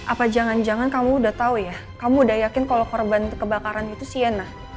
apa jangan jangan kamu udah tahu ya kamu udah yakin kalau korban kebakaran itu siena